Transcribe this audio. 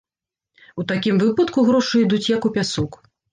У такім выпадку грошы ідуць, як у пясок.